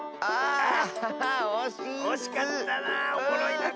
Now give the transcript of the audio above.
あおしい！